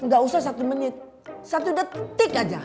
gak usah satu menit satu detik aja